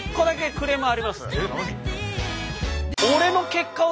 えっ何？